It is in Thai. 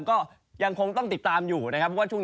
ก็ยังคงต้องติดตามอยู่นะครับ